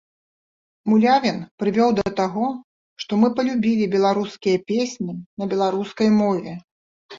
Мулявін прывёў да таго, што мы палюбілі беларускія песні на беларускай мове.